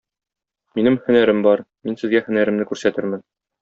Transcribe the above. Минем һөнәрем бар, мин сезгә һөнәремне күрсәтермен.